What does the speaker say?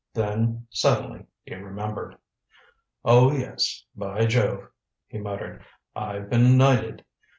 Then, suddenly, he remembered. "Oh, yes, by jove," he muttered, "I've been knighted.